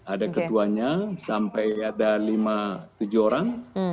ada ketuanya sampai ada lima tujuh orang